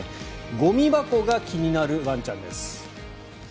ゴミ箱が気になるワンちゃんです。